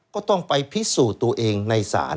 ก็ต้องไปพิสูจน์ตัวเองในศาล